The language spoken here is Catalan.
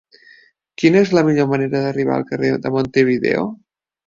Quina és la millor manera d'arribar al carrer de Montevideo?